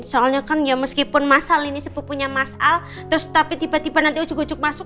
soalnya kan ya meskipun massal ini sepupunya mas al terus tapi tiba tiba nanti ujuk ujuk masuk